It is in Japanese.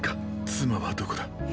妻はどこだ。